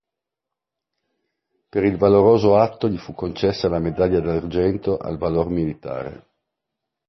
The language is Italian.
Per il valoroso atto gli fu concessa la medaglia d'argento al Valor Militare.